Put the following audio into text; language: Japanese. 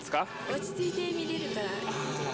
落ち着いて見れるから。